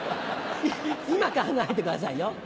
今考えてくださいよ。